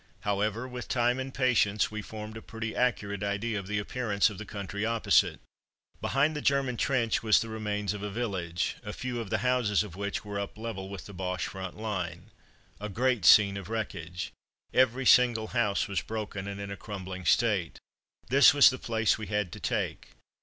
However, with time and patience, we formed a pretty accurate idea of the appearance of the country opposite. Behind the German trench was the remains of a village, a few of the houses of which were up level with the Boche front line. A great scene of wreckage. Every single house was broken, and in a crumbling state. This was the place we had to take.